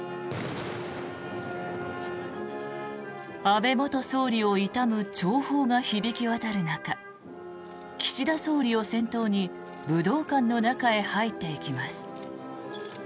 安倍元総理を悼む弔砲が響き渡る中岸田総理を先頭に武道館の中へ入っていきます。